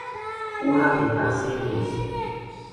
او هم بیتقصیر نیست.